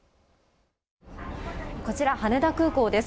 こちら、羽田空港です。